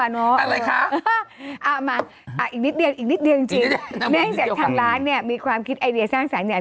อะไรคะเอามาอีกนิดเดียวอีกนิดเดียวจริงเนื่องจากทางร้านเนี่ยมีความคิดไอเดียสร้างสรรค์เนี่ย